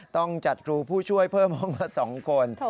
ต้องจัดครูผู้ช่วยเพื่อมองมาสองคน